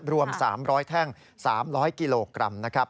รวม๓๐๐แท่ง๓๐๐กิโลกรัมนะครับ